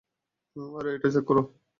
আরে এটা চেক কর।